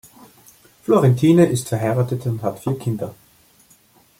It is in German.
Florentine ist verheiratet und hat vier Kinder.